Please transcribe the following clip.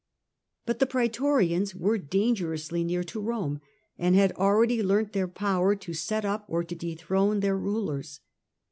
But the prietorians were dangerously near to Rome, and had already learnt their power to set up or to dethrone their rulers.